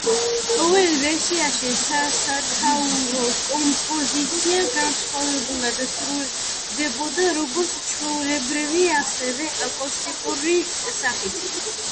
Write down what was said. ყოველ ვერსიაში სასათაურო კომპოზიცია განსხვავებულად სრულდებოდა როგორც ჩვეულებრივი, ასევე აკუსტიკური სახით.